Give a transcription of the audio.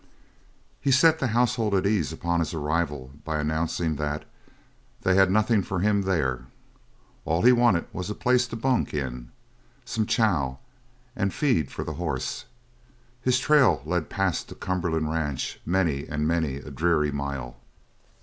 He set the household at ease upon his arrival by announcing that "they hadn't nothin' for him there." All he wanted was a place to bunk in, some chow, and a feed for the horse. His trail led past the Cumberland Ranch many and many a dreary mile.